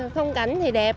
không cảnh thì đẹp